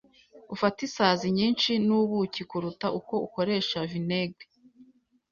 Ufata isazi nyinshi nubuki kuruta uko ukoresha vinegere.